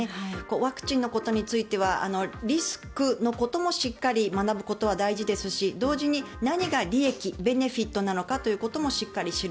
ワクチンのことについてはリスクのこともしっかり学ぶことは大事ですし同時に何が利益ベネフィットなのかということもしっかり知る。